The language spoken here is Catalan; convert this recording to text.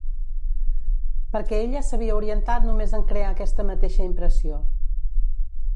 Perquè ella s'havia orientat només en crear aquesta mateixa impressió.